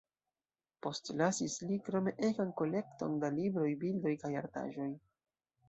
Postlasis li krome egan kolekton da libroj, bildoj kaj artaĵoj.